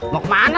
mau kemana laras